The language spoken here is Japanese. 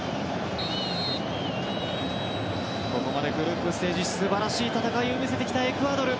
ここまでグループステージ素晴らしい戦いを見せてきたエクアドル。